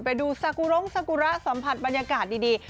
ไปดูสากุรงสากุระสัมผัสบรรยากาศดี